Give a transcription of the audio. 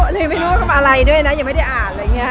เลยไม่รู้ว่าทำอะไรด้วยนะยังไม่ได้อ่านอะไรอย่างนี้